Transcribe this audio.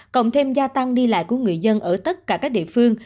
cộng thêm gia tăng đi lại của người dân ở tất cả các địa phương